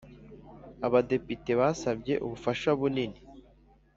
abadepite basabye ubufashabunini